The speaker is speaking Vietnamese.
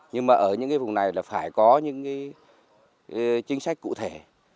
nhưng mà ở những cái vùng này là phải có những cái chính sách cụ thể